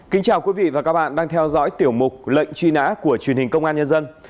kính chào quý vị và các bạn đang theo dõi tiểu mục lệnh truy nã của truyền hình công an nhân dân